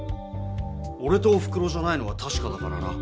おれとおふくろじゃないのはたしかだからな。